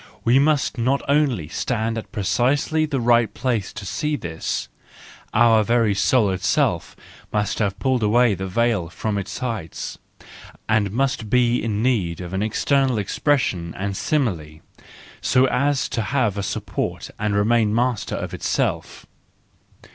We must not only stand at precisely the right place to see this, our very soul itself must have pulled away the veil from its heights, and must be in need of an external expression and simile, so as to have a support and remain master of itself.